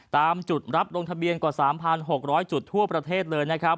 ตามจุดรับลงทะเบียนกว่า๓๖๐๐จุดทั่วประเทศเลยนะครับ